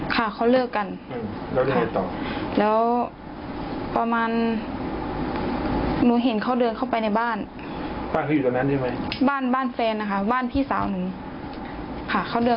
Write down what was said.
เยี่ยมดอกว่าเธออยากดังรอบสี่เมือง